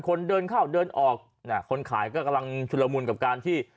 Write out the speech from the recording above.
คนเดินเข้าเดินออกคนขายก็กำลังชุดละมุนกับการที่